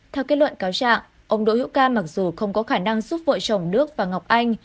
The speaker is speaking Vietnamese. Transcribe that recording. theo kết luận cáo trạng ông đỗ hữu ca mặc dù không có khả năng giúp vợ chồng đức và ngọc anh